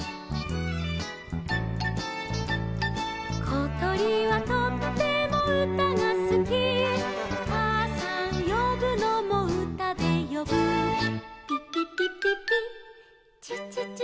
「ことりはとってもうたがすき」「かあさんよぶのもうたでよぶ」「ぴぴぴぴぴちちちちち」